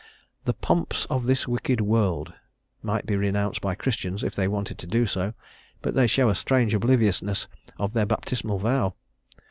The "pomps of this wicked world" might be renounced by Christians if they wanted to do so, but they show a strange obliviousness of their baptismal vow.